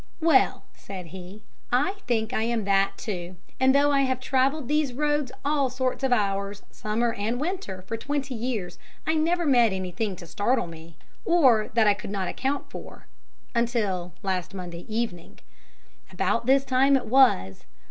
"'Well,' said he, 'I think I am that, too, and though I have travelled these roads all sorts of hours, summer and winter, for twenty years, I never met anything to startle me, or that I could not account for, until last Monday evening. About this time it was.